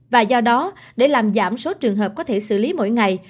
và do đó để làm giảm số trường hợp có thể xử lý mỗi ngày